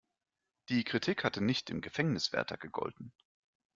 Die Kritik hatte nicht dem Gefängniswärter gegolten.